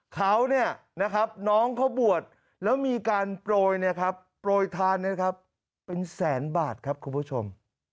เขาน้องเขาบวชแล้วมีการปล่อยปล่อยทานเป็นแสนบาทครับคุณผู้ชม